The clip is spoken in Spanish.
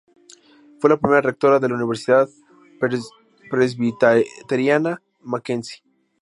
Fue la primera rectora de la Universidade Presbiteriana Mackenzie.